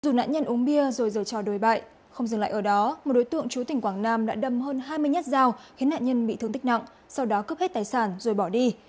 dù nạn nhân uống bia rồi trò đồi bại không dừng lại ở đó một đối tượng chú tỉnh quảng nam đã đâm hơn hai mươi nhát dao khiến nạn nhân bị thương tích nặng sau đó cướp hết tài sản rồi bỏ đi